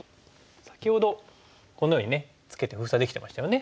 先ほどこのようにツケて封鎖できてましたよね。